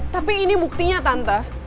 tapi ini buktinya tante